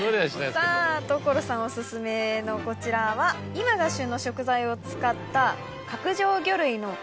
さぁ所さんオススメのこちらは今が旬の食材を使った。